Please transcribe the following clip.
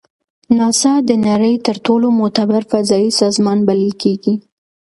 ناسا د نړۍ تر ټولو معتبر فضایي سازمان بلل کیږي.